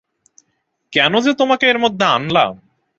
কেন যে তোমাকে এর মধ্যে আনলাম?